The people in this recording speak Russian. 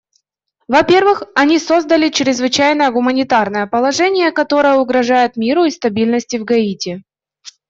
Во-первых, они создали чрезвычайное гуманитарное положение, которое угрожает миру и стабильности в Гаити.